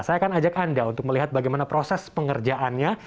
saya akan ajak anda untuk melihat bagaimana proses pengerjaannya